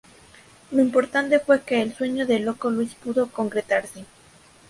Lo importante fue que el sueño del Loco Luis pudo concretarse.